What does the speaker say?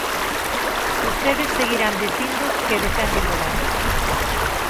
Vostedes seguirán dicindo que defenden o ben.